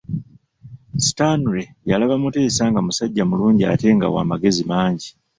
Stanley yalaba Mutesa nga musajja mulungi ate nga wa magezi mangi.